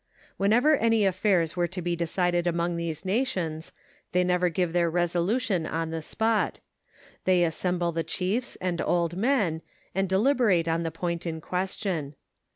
Whenever any affaira are to be decided among these nations, they never give their resolution on the spot ; they assemble the chiefs and old men, and de liberate on the point in question.